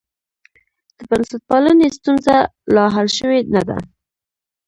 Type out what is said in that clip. د بنسټپالنې ستونزه لا حل شوې نه ده.